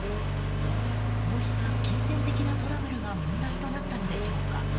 こうした金銭的なトラブルが問題となったのでしょうか。